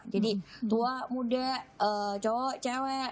jadi tua muda cowok cewek